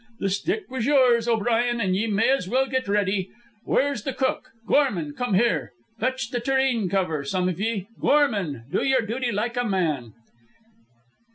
The stick was yours, O'Brien, an' ye may as well get ready. Where's the cook? Gorman, come here. Fetch the tureen cover, some of ye. Gorman, do your duty like a man."